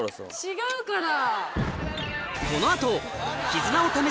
違うから。